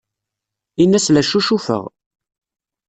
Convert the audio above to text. Ini-as la ccucufeɣ.